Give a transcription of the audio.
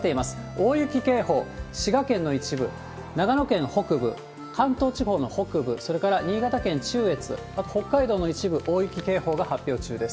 大雪警報、滋賀県の一部、長野県北部、関東地方の北部、それから新潟県中越、北海道の一部、大雪警報が発表中です。